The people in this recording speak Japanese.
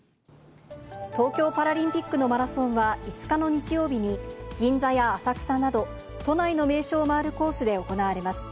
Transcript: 東京パラリンピックのマラソンは、５日の日曜日に銀座や浅草など、都内の名所を回るコースで行われます。